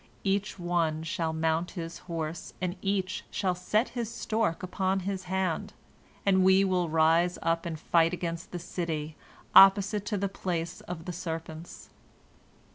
Each one shall mount his horse, and each shall set his stork upon his hand, and we will rise up and fight against the city opposite to the place of the serpents."